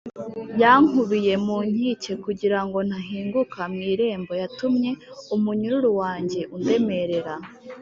Yankubiye mu nkike kugira ngo ntahinguka mu irembo, Yatumye umunyururu wanjye undemerera.